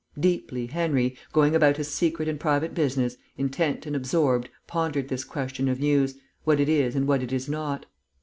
Deeply Henry, going about his secret and private business, intent and absorbed, pondered this question of News, what it is and what it is not.